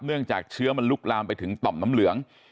จากเชื้อมันลุกลามไปถึงต่อมน้ำเหลือง